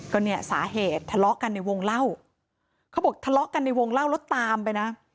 ก็เนี่ยสาเหตุทะเลาะกันในวงเล่าเขาบอกทะเลาะกันในวงเล่าแล้วตามไปนะ